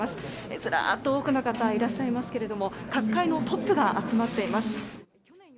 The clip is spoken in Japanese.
ずらっと多くの方がいらっしゃいますが各界のトップが集まっています。